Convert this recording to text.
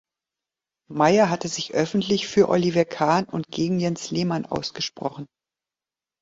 Maier hatte sich öffentlich für Oliver Kahn und gegen Jens Lehmann ausgesprochen.